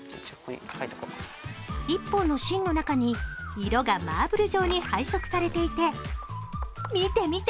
１本の芯の中に色がマーブル状に配色されていて見て見て！